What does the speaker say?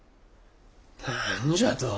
何じゃと？